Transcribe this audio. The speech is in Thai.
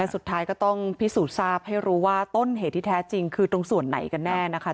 สุดท้ายก็ต้องพิสูจน์ทราบให้รู้ว่าต้นเหตุที่แท้จริงคือตรงส่วนไหนกันแน่นะคะ